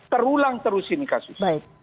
terulang terus ini kasus